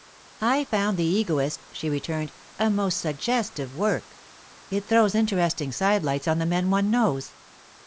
'I found the Egoist,' she returned, 'a most suggestive work. It throws interesting side lights on the men one knows.